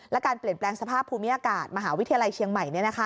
และการเปลี่ยนแปลงสภาพภูมิอากาศมหาวิทยาลัยเชียงใหม่